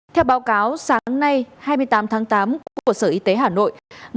theo báo cáo sáng nay hai mươi tám tháng tám của sở y tế hà nội